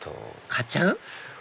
買っちゃう？